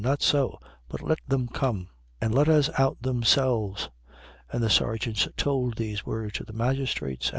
Not so: but let them come. 16:38. And let us out themselves. And the serjeants told these words to the magistrates.